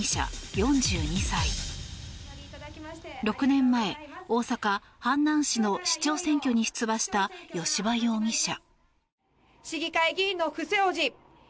６年前、大阪府阪南市の市長選挙に出馬した吉羽容疑者。